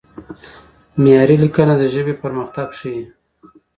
معیاري لیکنه د ژبې پرمختګ ښيي.